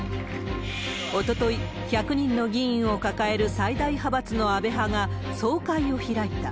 おととい、１００人の議員を抱える最大派閥の安部派が総会を開いた。